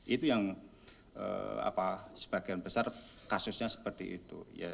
itu yang sebagian besar kasusnya seperti itu